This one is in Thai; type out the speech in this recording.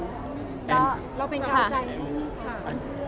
เราเป็นการใจข้างนี้ค่ะ